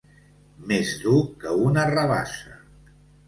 Més dur que una rabassa.